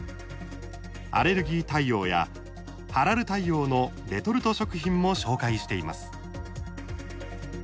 アレルギー対応やハラル対応のレトルト食品も紹介しています。